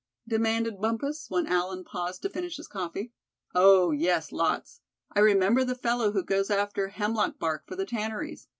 demanded Bumpus, when Allen paused to finish his coffee. "Oh! yes, lots. I remember the fellow who goes after hemlock bark for the tanneries.